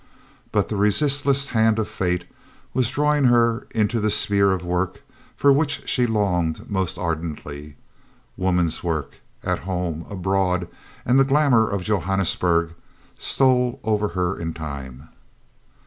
But the resistless hand of Fate was drawing her into the sphere of work for which she longed most ardently woman's work, at home, abroad and the glamour of Johannesburg stole over her in time.